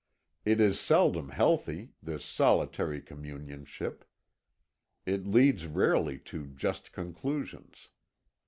It is seldom healthy, this solitary communionship it leads rarely to just conclusions.